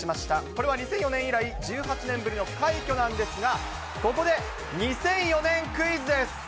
これは２００４年以来、１８年ぶりの快挙なんですが、ここで２００４年クイズです。